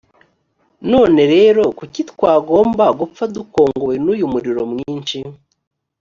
none rero kuki twagomba gupfa dukongowe n’uyu muriro mwinshi?